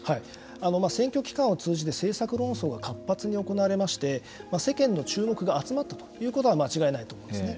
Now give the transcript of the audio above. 選挙期間を通じて政策論争が活発に行われまして世間の注目が集まったということは間違いないと思うんですね。